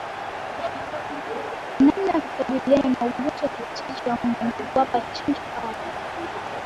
Namna ya kukabiliana na ugonjwa wa kichaa cha mbwa ni kuwapa chanjo paka